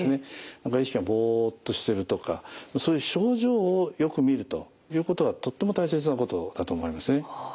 何か意識がぼっとしてるとかそういう症状をよく見るということがとっても大切なことだと思いますね。